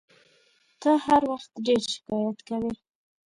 ته هر وخت ډېر شکایت کوې !